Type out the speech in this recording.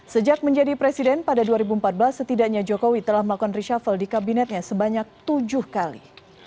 sejak menjadi presiden pada dua ribu empat belas setidaknya jokowi telah melakukan reshuffle di kabinetnya sebanyak tujuh kali